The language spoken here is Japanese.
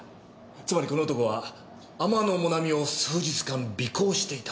つまりこの男は天野もなみを数日間尾行していた。